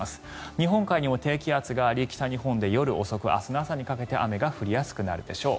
日本海にも低気圧があり北日本で夜遅く、明日の朝にかけて雨が降りやすくなるでしょう。